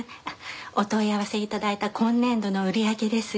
お問い合わせ頂いた今年度の売り上げですが。